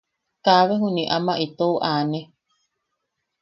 Kaabe juniʼi ama itou aane.